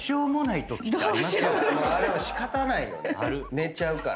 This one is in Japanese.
寝ちゃうから。